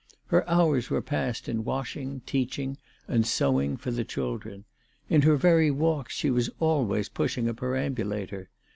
Her hours were passed in washing, teaching, and sewing for the children. In her very walks she was always pushing a perambulator.